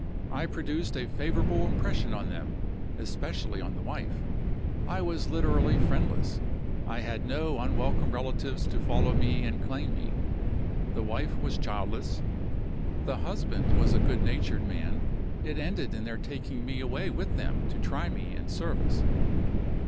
I produced a favorable impression on them especially on the wife. I was literally friendless; I had no unwelcome relatives to follow me and claim me. The wife was childless; the husband was a good natured man. It ended in their taking me away with them to try me in service.